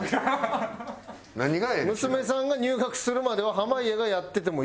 娘さんが入学するまでは濱家がやっててもいい。